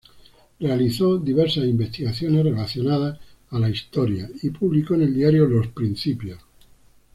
Realizó diversas investigaciones relacionadas a la historia y publicó en el diario "Los Principios".